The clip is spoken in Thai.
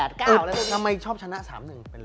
ถ้าไม่ชอบชนะ๓๑เป็นอะไรนะ